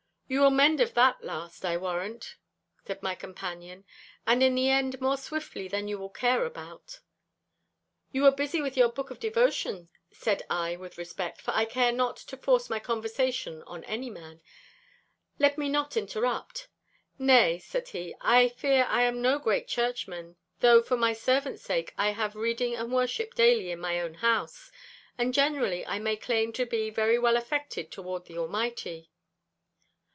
'You will mend of that last, I warrant,' said my companion, 'and in the end more swiftly than you will care about.' 'You were busy with your book of devotion,' said I, with respect, for I care not to force my conversation on any man; 'let me not interrupt.' 'Nay,' he said, 'I fear I am no great churchman, though for my servants' sake I have reading and worship daily in my own house, and generally I may claim to be very well affected toward the Almighty.